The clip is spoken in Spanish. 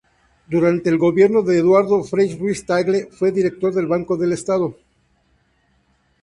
Durante el Gobierno de Eduardo Frei Ruiz-Tagle fue director del Banco del Estado.